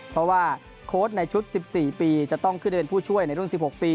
เพราะว่าโค้ชในชุด๑๔ปีจะต้องขึ้นได้เป็นผู้ช่วยในรุ่น๑๖ปี